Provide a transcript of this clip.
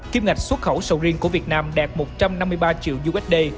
kim ngạch xuất khẩu sầu riêng của việt nam đạt một trăm năm mươi ba triệu usd